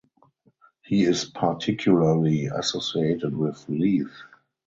He is particularly associated with Leith.